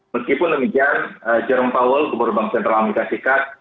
meskipun demikian jerome powell keberunur bank sentral amerika sikat